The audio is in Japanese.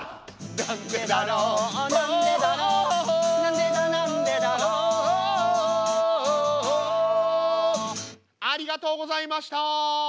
なんでだろうなんでだろうなんでだなんでだろうありがとうございました。